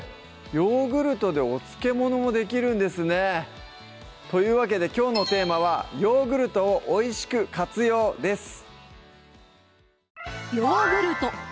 ヨーグルトでお漬け物もできるんですねというわけできょうのテーマは「ヨーグルトをおいしく活用」です